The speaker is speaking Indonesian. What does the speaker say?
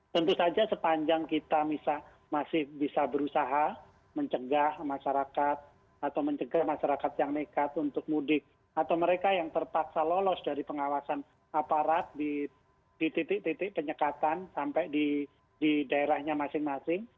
tentu saja sepanjang kita masih bisa berusaha mencegah masyarakat atau mencegah masyarakat yang nekat untuk mudik atau mereka yang terpaksa lolos dari pengawasan aparat di titik titik penyekatan sampai di daerahnya masing masing